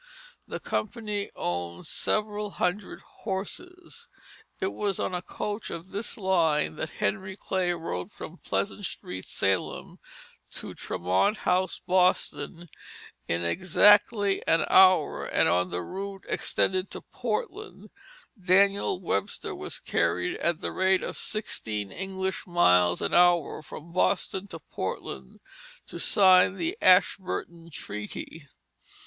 The company owned several hundred horses. It was on a coach of this line that Henry Clay rode from Pleasant Street, Salem, to Tremont House, Boston, in exactly an hour; and on the route extended to Portland, Daniel Webster was carried at the rate of sixteen English miles an hour from Boston to Portland to sign the Ashburton Treaty.